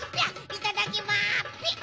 いただきまピッ。